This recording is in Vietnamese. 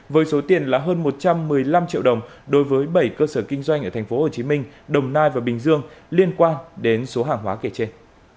với số tiền là hơn một trăm một mươi năm triệu đồng đối với bảy cơ sở kinh doanh ở tp hcm đồng nai và bình dương liên quan đến số hàng hóa kể trên